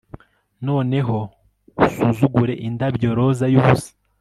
noneho usuzugure indabyo-roza yubusa